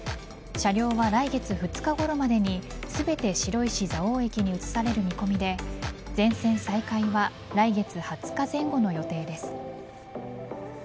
車両は来月２日ごろまでに全て白石蔵王駅に移される見込みで全線再開は来月２０日前後の予定です。